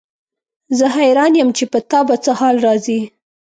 زه حیران یم چې په تا به څه حال راځي.